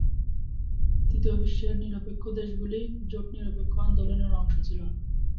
তৃতীয় বিশ্বের নিরপেক্ষ দেশগুলি জোট নিরপেক্ষ আন্দোলনের অংশ ছিল।